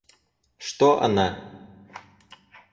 Что она?